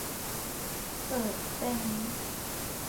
เกิดเป็น